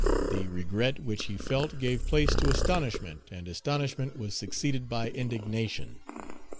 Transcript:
The regret which he felt gave place to astonishment, and astonishment was succeeded by indignation.